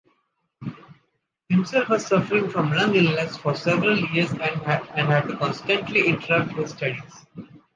Himself was suffering from a lung illness for several years and had to constantly interrupt his studies.